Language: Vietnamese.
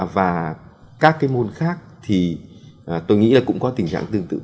và các cái môn khác thì tôi nghĩ là cũng có tình trạng tương tự